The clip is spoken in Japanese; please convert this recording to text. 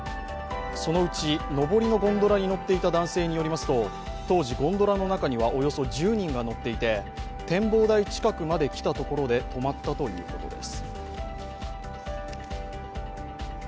そのうち、上りのゴンドラに乗っていた男性によりますと当時、ゴンドラの中にはおよそ１０人が乗っていて展望台近くまで来たところで止まったということです。